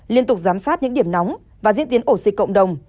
liên tục giám sát những điểm nóng và diễn tiến ổ dịch cộng đồng